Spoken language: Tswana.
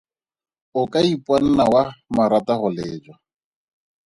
O ka iponna wa marata go lejwa.